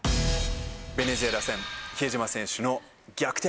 ベネズエラ戦、比江島選手の逆転